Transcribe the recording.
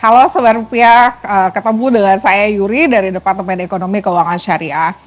halo sebarupiah ketemu dengan saya yuri dari departemen ekonomi keuangan syariah